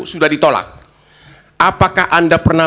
sudah ditolak apakah anda pernah